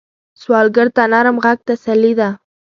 سوالګر ته نرم غږ تسلي ده